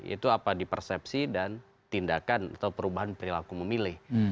itu apa di persepsi dan tindakan atau perubahan perilaku memilih